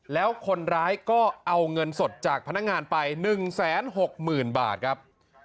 แล้วคนร้ายก็เอาเงินสดจากพนักงานไป๑๖๐๐๐บาทครับ